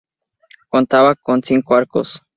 Contaba con cinco arcos.